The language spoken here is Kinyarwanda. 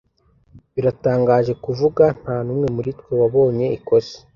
Biratangaje kuvuga, ntanumwe muri twe wabonye ikosa.